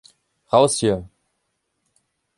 Raus hier!